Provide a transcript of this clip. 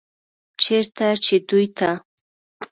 چرته چې دوي ته